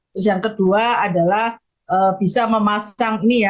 terus yang kedua adalah bisa memasang ini ya